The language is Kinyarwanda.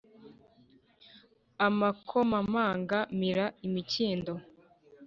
amakomamanga, mira, imikindo,